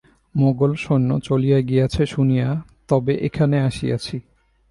মোগল সৈন্য চলিয়া গিয়াছে শুনিয়া তবে এখানে আসিয়াছি।